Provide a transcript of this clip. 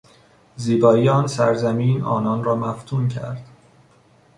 زیبایی آن سرزمین آنان را مفتون کرد.